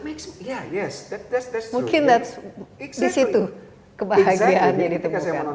mungkin itu kebahagiaannya di temukan